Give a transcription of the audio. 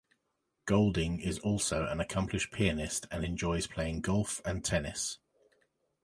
Golding is also an accomplished pianist and enjoys playing golf and tennis.